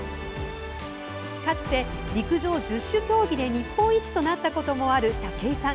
かつて、陸上十種競技で日本一となったこともある武井さん。